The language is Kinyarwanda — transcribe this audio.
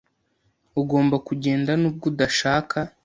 Ugomba kugenda nubwo udashaka.